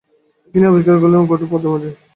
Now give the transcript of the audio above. তিনি আবিষ্কার করলেন কঠোর পর্দার মাঝে।